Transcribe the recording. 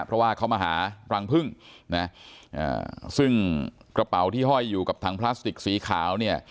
เพราะว่าเขามาหารังพึ่งนะซึ่งกระเป๋าที่ห้อยอยู่กับถังพลาสติกสีขาวเนี่ย